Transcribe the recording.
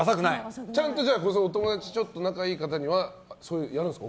ちゃんとお友達仲がいい方にはやるんですか？